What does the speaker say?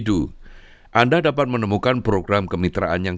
untuk menemukan program berenang